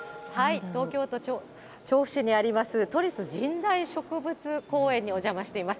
東京都調布市にあります、都立神代植物公園にお邪魔しています。